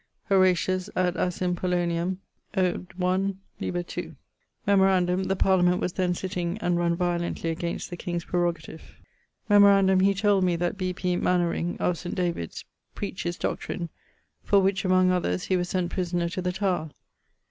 HORATIUS ad Asin. Pollionem, ode 1, lib. 2. Memorandum the parliament was then sitting and runne violently against the king's prerogative. Memorandum he told me that bp. Manwaring (of St. David's) preach'd his doctrine; for which, among others, he was sent prisoner to the Tower.